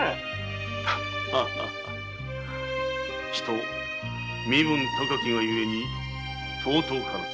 人身分高きがゆえに尊からず。